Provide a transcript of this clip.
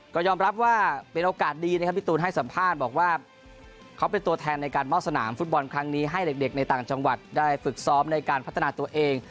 ก็ยอมรับว่าเป็นโอกาสดีนะครับพี่ตูนให้สัมภาษณ์บอกว่าเขาเป็นตัวแทนในการมอบสนามฟุตบอลครั้งนี้ให้เด็กในต่างจังหวัดได้ฝึกซ้อมในการพัฒนาตัวเอง